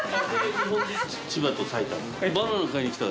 千葉と埼玉。